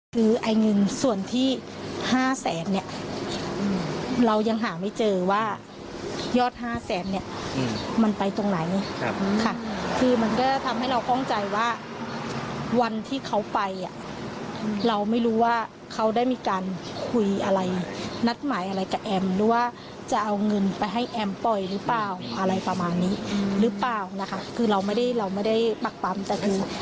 คือไอ้เงินส่วนที่ห้าแสนเนี่ยเรายังหาไม่เจอว่ายอดห้าแสนเนี่ยมันไปตรงไหนค่ะคือมันก็ทำให้เราคล่องใจว่าวันที่เขาไปอ่ะเราไม่รู้ว่าเขาได้มีการคุยอะไรนัดหมายอะไรกับแอมหรือว่าจะเอาเงินไปให้แอมปล่อยหรือเปล่าอะไรประมาณนี้หรือเปล่านะคะคือเราไม่ได้เราไม่ได้ปักปั๊มแต่คือ